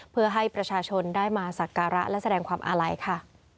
เพื่อให้ประชาชนได้มาสักการะและแสดงความอาลัยค่ะ